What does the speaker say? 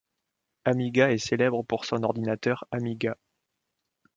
Amiga est célèbre pour son ordinateur Amiga.